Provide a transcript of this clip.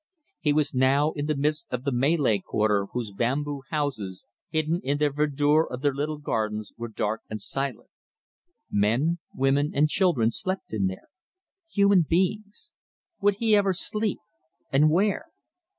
He was now in the midst of the Malay quarter whose bamboo houses, hidden in the verdure of their little gardens, were dark and silent. Men, women and children slept in there. Human beings. Would he ever sleep, and where?